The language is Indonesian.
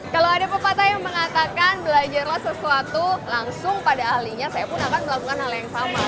kalau ada pepatah yang mengatakan belajarlah sesuatu langsung pada ahlinya saya pun akan melakukan hal yang sama